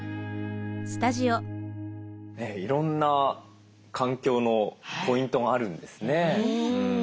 いろんな環境のポイントがあるんですね。